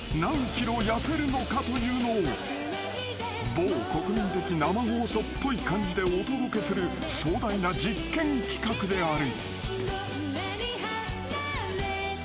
［某国民的生放送っぽい感じでお届けする壮大な実験企画である］